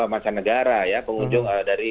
mancanegara ya pengunjung dari